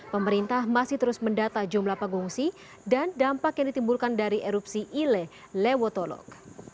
pemerintah masih terus mendata jumlah pengungsi dan dampak yang ditimbulkan dari erupsi ile lewotolog